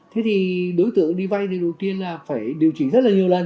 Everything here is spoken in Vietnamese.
thế thì đối tượng đi vay thì đầu tiên là phải điều chỉnh rất là nhiều lần